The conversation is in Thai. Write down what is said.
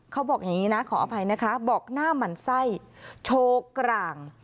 เขาบอกอย่างนี้นะขออภัยนะคะบอกหน้าหมั่นไส้โชว์กลาง